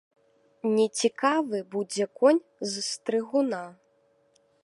Нецікавы будзе конь з стрыгуна.